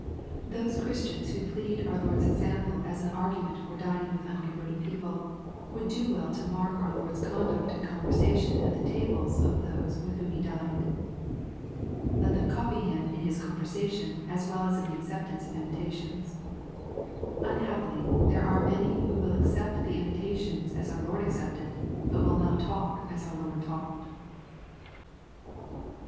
Those Christians who plead our Lord's example as an argu ment for dining with unconverted people, would do well to mark our Lord's conduct and conversation at the tables of those with whom He dined. Let them copy Him in His conversation as well as in the ecceptance of invitations. UnhappOy, there are many who will accept the invitations as our Lord accepted, but will not talk as our Lord talked.